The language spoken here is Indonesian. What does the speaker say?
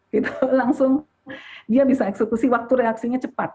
gitu langsung dia bisa eksekusi waktu reaksinya cepat